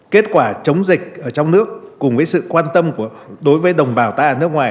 kết quả chống dịch ở trong nước cùng với sự quan tâm đối với đồng bào ta ở nước ngoài